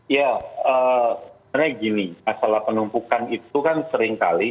ya sebenarnya gini masalah penumpukan itu kan seringkali